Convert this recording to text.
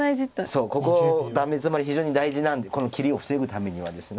そうここがダメヅマリ非常に大事なんでこの切りを防ぐためにはです。